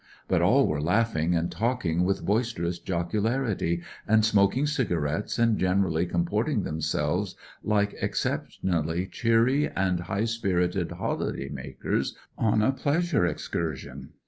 But all were laughing and talking with boisterous jocularity, and smoking cigarettes, and generally comporting them selves like exceptionally cheery and high spirited holiday makers on a pleasure excursion.